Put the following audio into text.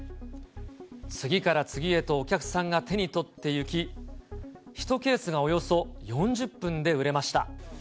次から次へとお客さんが手に取ってゆき、１ケースがおよそ４０分で売れました。